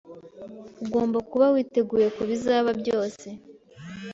Ugomba kuba witeguye kubizaba byose.